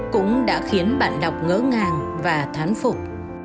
cũng đã khiến bạn đọc ngỡ ngàng và thán phục